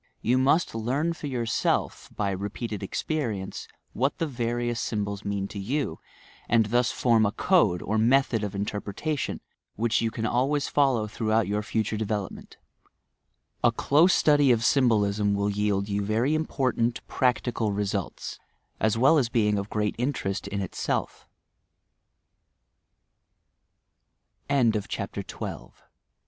You must learn for yourself, by repeated experience, what the various symbols mean to you, and thus form a "code" or method of interpretation which you can always follow throughout your future development, A close study of symbolism will yield you very important, practical results, as well as being of great interest